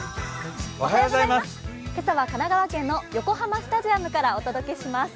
今朝は神奈川県の横浜スタジアムからお届けします。